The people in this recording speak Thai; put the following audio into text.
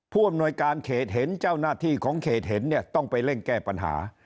ผู้อำนวยการเขตเห็นเจ้าหน้าที่ของเขตเห็นเนี่ยต้องไปเร่งแก้ปัญหา